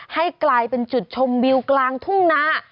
ให้กลายเป็นจุดชมวิวกลางทุ่งนา